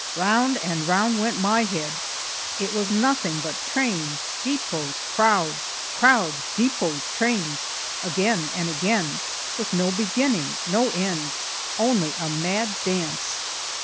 Round and round went my head. It was nothing but trains, depots, crowds crowds, depots, trains, again and again, with no beginning, no end, only a mad dance!